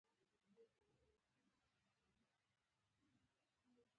• غاښونه د خوړو د ښه ژولو وسیله ده.